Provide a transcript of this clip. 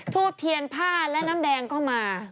ทูบเทียนผ้าและน้ำแดงเข้ามา